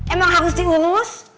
emang harus diurus